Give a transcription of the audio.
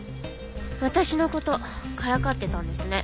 私の事からかってたんですね。